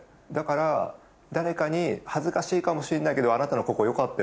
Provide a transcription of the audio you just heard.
だから誰かに恥ずかしいかもしれないけど。